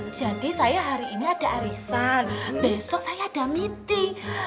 jadi saya hari ini ada arisan besok saya ada meeting